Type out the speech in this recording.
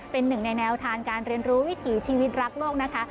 เป็นหนึ่งในแนวทางการเรียนรู้วิถีชีวิตรักโลกนะคะ